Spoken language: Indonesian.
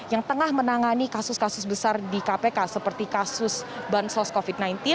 yang tengah menangani kasus kasus besar di kpk seperti kasus bansos covid sembilan belas